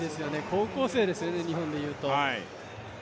高校生ですよね、日本でいうと。